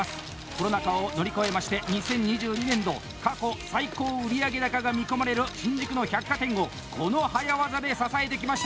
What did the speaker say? コロナ禍を乗り越えまして２０２２年度、過去最高売上高が見込まれる新宿の百貨店をこの早業で支えてきました！